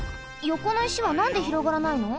よこの石はなんで広がらないの？